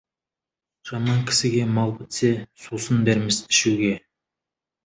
Жаман кісіге мал бітсе, сусын бермес ішуге.